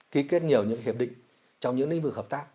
ký kết nhiều những hiệp định trong những lĩnh vực hợp tác